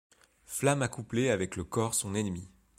Flamme accouplée avec le corps son ennemi